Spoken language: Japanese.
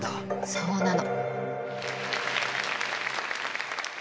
そうなの。